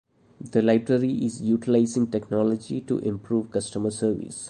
The library is utilizing technology to improve customer service.